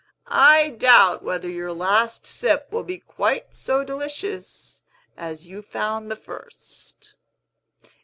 I doubt whether your last sip will be quite so delicious as you found the first."